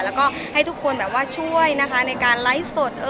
แล้วก็ให้ทุกคนแบบว่าช่วยนะคะในการไลฟ์สด